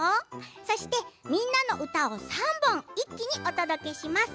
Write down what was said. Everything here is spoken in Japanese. そして「みんなのうた」を３本一気にお届けします。